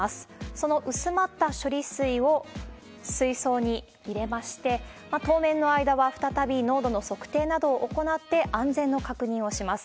その薄まった処理水を水槽に入れまして、当面の間は再び濃度の測定などを行って安全の確認をします。